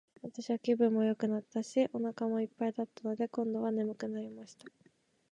私は気分もよくなったし、お腹も一ぱいだったので、今度は睡くなりました。